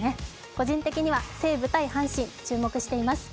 個人的には西武×阪神、注目しています。